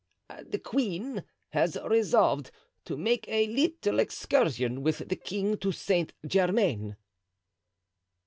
"The queen has resolved to make a little excursion with the king to Saint Germain."